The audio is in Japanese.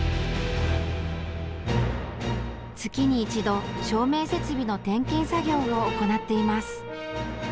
月に一度、照明設備の点検作業を行っています。